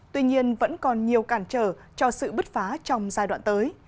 tuy nhiên vẫn còn nhiều cản trở cho sự bứt phá trong giai đoạn tới